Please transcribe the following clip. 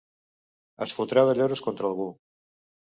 Es fotrà de lloros contra algú.